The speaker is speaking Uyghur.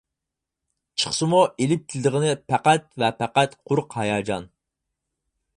چىقسىمۇ ئېلىپ كېلىدىغىنى پەقەت ۋە پەقەت قۇرۇق ھاياجان.